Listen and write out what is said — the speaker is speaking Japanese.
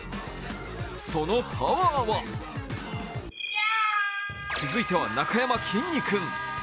そのパワーは続いてはなかやまきんに君。